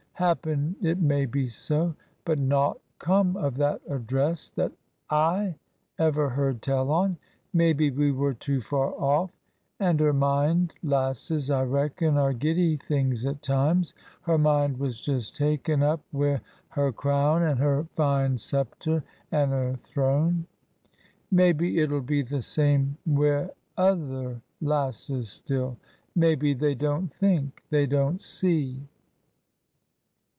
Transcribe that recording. Happen it may be so. But nought come of that address that / ever heard tell on. Maybe we were too far off. And her mind — lasses, I reckon, are giddy things at times — her mind was just taken up wi' her crown and her fine sceptre and her throne. Maybe it'll be the same wi' other lasses still ? Maybe they don't think ? They don't see